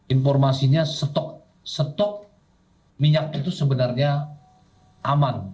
informasinya stok minyak itu sebenarnya aman